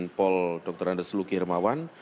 pak paul dr andres luki hermawan